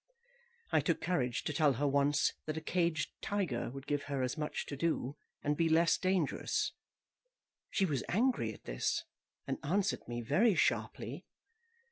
I took courage to tell her once that a caged tiger would give her as much to do, and be less dangerous. She was angry at this, and answered me very sharply.